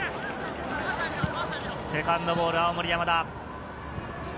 セカンドボール、青森山田。